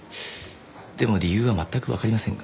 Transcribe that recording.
でも理由は全くわかりませんが。